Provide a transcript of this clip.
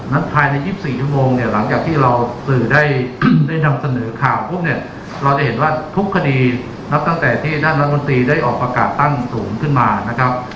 ภายใน๒๔ชั่วโมงเนี่ยหลังจากที่เราสื่อได้นำเสนอข่าวปุ๊บเนี่ยเราจะเห็นว่าทุกคดีนับตั้งแต่ที่ท่านรัฐมนตรีได้ออกประกาศตั้งศูนย์ขึ้นมานะครับ